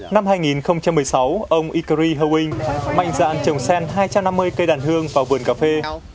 năm hai nghìn một mươi sáu ông ikri heng mạnh dạn trồng sen hai trăm năm mươi cây đàn hương vào vườn cà phê